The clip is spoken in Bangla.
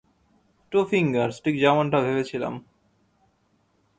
টু ফিঙ্গারস, ঠিক যেমনটা ভেবেছিলাম।